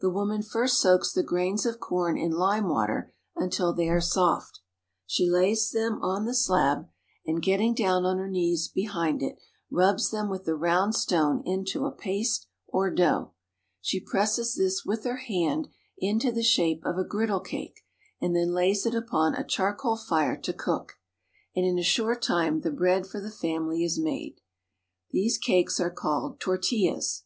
The woman first soaks the grains of corn in limewater until they are soft. She then lays them on the slab, and, getting down on her knees behind it, rubs them with the round stone into a paste or dough. She presses this with her hand into the shape of a griddlecake, and then lays it upon a charcoal fire to cook ; and in a short time the bread for the famih^ is made. These cakes are called tortillas.